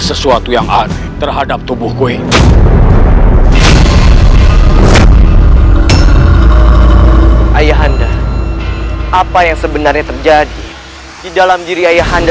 sesuatu yang arti terhadap tubuh kue ayah anda apa yang sebenarnya terjadi di dalam diri ayah anda